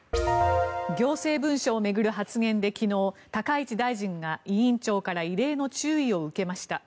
行政文書を巡る発言で昨日高市大臣が委員長から異例の注意を受けました。